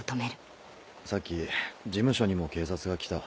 さっき事務所にも警察が来た。